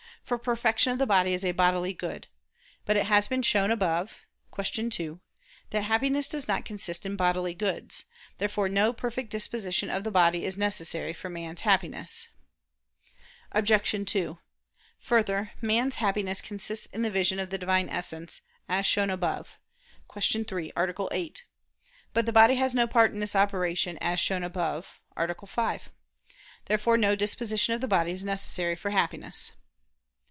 For perfection of the body is a bodily good. But it has been shown above (Q. 2) that Happiness does not consist in bodily goods. Therefore no perfect disposition of the body is necessary for man's Happiness. Obj. 2: Further, man's Happiness consists in the vision of the Divine Essence, as shown above (Q. 3, A. 8). But the body has no part in this operation, as shown above (A. 5). Therefore no disposition of the body is necessary for Happiness.